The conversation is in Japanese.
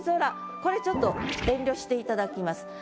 これちょっと遠慮していただきます。